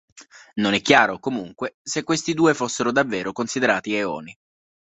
Non è chiaro, comunque, se questi due fossero davvero considerati eoni.